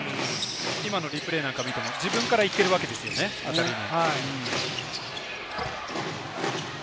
今のリプレイなんか見ても、自分から行けるわけですよね、当たりに。